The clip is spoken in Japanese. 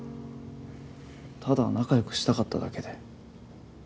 ただ仲良くしたかっただけで。